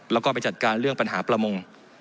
แล้วก็ไปจัดการเรื่องปัญหาประมง